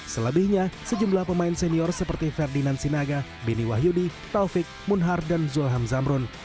selebihnya sejumlah pemain senior seperti ferdinand sinaga beni wahyudi taufik munhar dan zulham zamrun